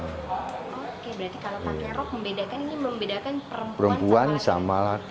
oke berarti kalau pakai rok membedakan ini membedakan perempuan sama sama